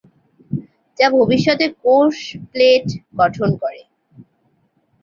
যা ভবিষ্যতে কোষ প্লেট গঠন করে।